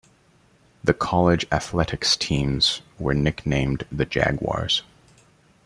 The college athletics teams were nicknamed the Jaguars.